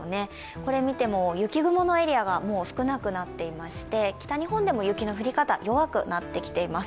これ見ても雪雲のエリアがもう少なくなっていて北日本でも雪の降り方、弱くなってきています。